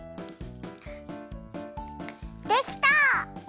できた！